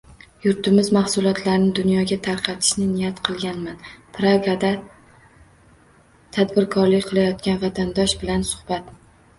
“Yurtimiz mahsulotlarini dunyoga tanitishni niyat qilganman” - Pragada tadbirkorlik qilayotgan vatandosh bilan suhbat